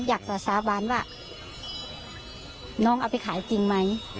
อยากจะสาบานว่าน้องเอาไปขายจริงไหม